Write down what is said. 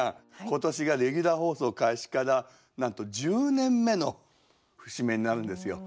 今年がレギュラー放送開始からなんと１０年目の節目になるんですよ。